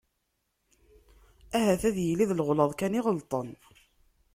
Ahat ad yili d leɣlaḍ kan i ɣelṭen.